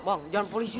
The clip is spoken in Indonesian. bang jangan polisi